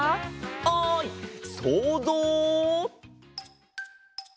おいそうぞう！